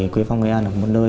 quả nhiên hắn thường xuyên về đây